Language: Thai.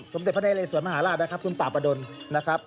สมศติภัณฑ์ไหนเลยสวรรค์มหาราชนะครับคุณป่าประดนนะครับ